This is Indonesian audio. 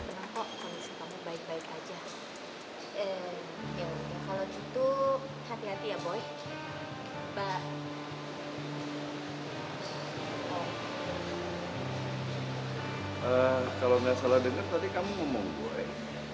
eh kalau gak salah denger tadi kamu ngomong boy